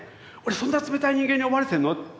そんなに冷たい人間に思われてるの？